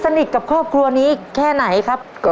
สนิทกับครอบครัวนี้แค่ไหนครับ